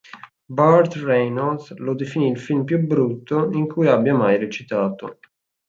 Burt Reynolds lo definì il film più brutto in cui abbia mai recitato.